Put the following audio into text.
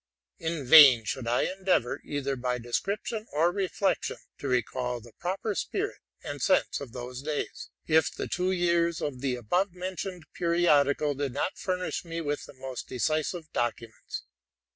In vain should I endeavor, either by description or reflection, to reeall the proper spirit and sense of those days, if the two years of the above mentioned periodical did not furnish me with the most decisive documents.